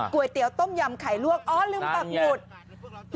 ก๋วยเตี๋ยวต้มยำไข่ลวกอ๋อลืมปรับบุตร